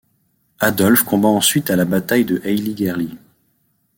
Adolphe combat ensuite à la Bataille de Heiligerlee.